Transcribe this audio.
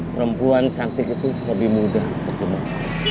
perempuan cantik itu lebih mudah terjemah